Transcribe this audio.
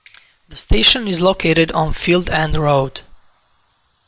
The station is located on Field End Road.